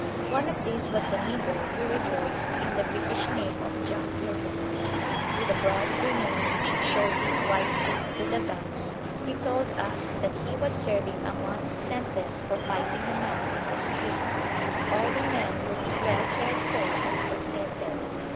One of these was a nigger who rejoiced in the British name of John Williams. With a broad grin which showed his white teeth to the gums, he told us that he was serving a month's sentence for fighting a man in the street. All the men looked well cared for and contented.